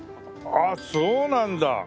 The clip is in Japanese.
ああそうなんだ。